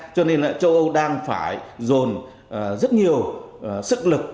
cho nên là châu âu đang phải dồn rất nhiều sức lực